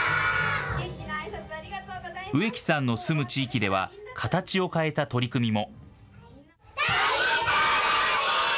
植木さんの住む地域では形を変えた取り組みも。